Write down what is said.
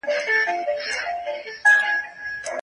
انلاين زده کړه د ټکنالوژۍ وسايل بې کارونې نه کيږي.